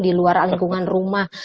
di luar lingkungan rumah